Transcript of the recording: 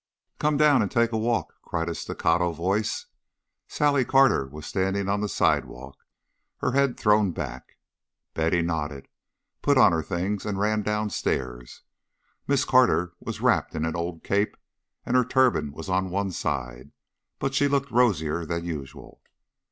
"Come down and take a walk," cried a staccato voice. Sally Carter was standing on the sidewalk, her head thrown back. Betty nodded, put on her things and ran downstairs. Miss Carter was wrapped in an old cape, and her turban was on one side, but she looked rosier than usual.